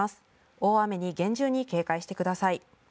大雨に厳重に警戒してください。